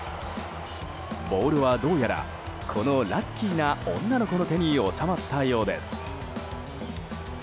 ボールはどうやらこのラッキーな女の子の手に納まったようです。